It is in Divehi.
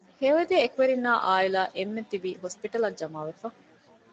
ހެޔޮއެދޭ އެކުވެރިންނާއި އާއިލާ އެންމެންތިބީ ހޮސްޕިޓަލަށް ޖަމާވެފަ